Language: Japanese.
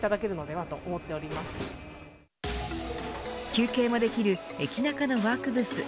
休憩もできる駅ナカのワークブース。